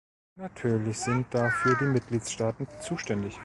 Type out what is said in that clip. Natürlich sind dafür die Mitgliedstaaten zuständig.